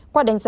qua đánh giá